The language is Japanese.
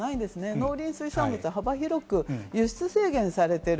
農林水産物、幅広く輸出制限されている。